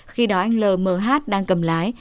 khi đó anh l m h đang cầm lái